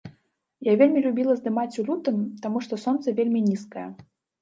Я вельмі любіла здымаць у лютым, таму што сонца вельмі нізкае.